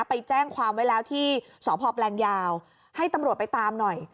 ไปแจ้งความไว้แล้วที่สพแปลงยาวให้ตำรวจไปตามหน่อย